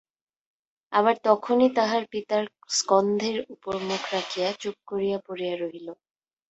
আবার তখনই তাহার পিতার স্কন্ধের উপর মুখ রাখিয়া চুপ করিয়া পড়িয়া রহিল।